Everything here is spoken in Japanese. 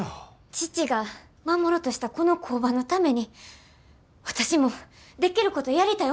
父が守ろうとしたこの工場のために私もできることやりたい思たんです。